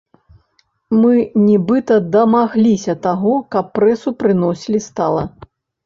Мы нібыта дамагліся таго, каб прэсу прыносілі стала.